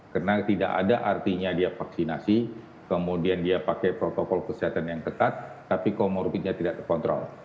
karena tidak ada artinya dia vaksinasi kemudian dia pakai protokol kesehatan yang ketat tapi komorbitnya tidak terkontrol